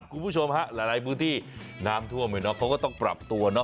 คุณผู้ชมฮะหลายพื้นที่น้ำท่วมเขาก็ต้องปรับตัวเนาะ